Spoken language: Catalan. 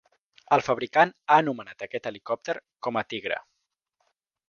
El fabricant ha anomenat aquest helicòpter com a "tigre".